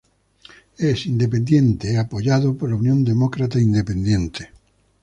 Es independiente apoyado por la Unión Demócrata Independiente.